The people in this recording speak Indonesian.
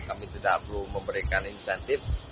kami tidak perlu memberikan insentif